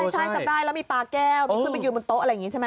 ใช่จำได้แล้วมีปลาแก้วมีขึ้นไปยืนบนโต๊ะอะไรอย่างนี้ใช่ไหม